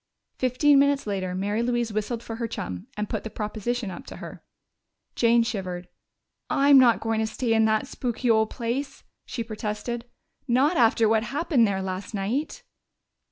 Fifteen minutes later Mary Louise whistled for her chum and put the proposition up to her. Jane shivered. "I'm not going to stay in that spooky old place!" she protested. "Not after what happened there last night."